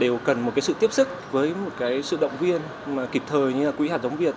đều cần một cái sự tiếp sức với một cái sự động viên kịp thời như là quỹ hạt giống việt